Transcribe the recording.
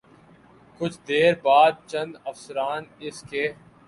کچھ دیر بعد چند افسران اس کے